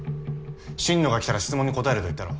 心野が来たら質問に答えると言ったろ？